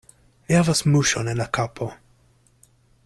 Li havas muŝon en la kapo.